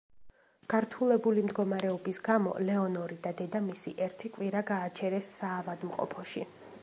გართულებული მდგომარეობის გამო, ლეონორი და დედამისი ერთი კვირა გააჩერეს საავადმყოფოში.